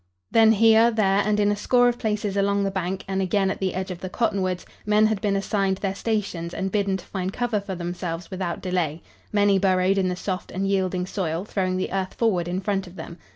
Then, here, there and in a score of places along the bank and again at the edge of the cottonwoods, men had been assigned their stations and bidden to find cover for themselves without delay. Many burrowed in the soft and yielding soil, throwing the earth forward in front of them.